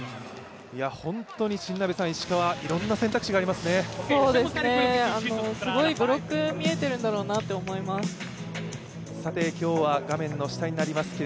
本当に、いろんな選択肢がありますね。